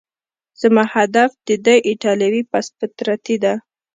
زما هدف د ده ایټالوي پست فطرتي ده.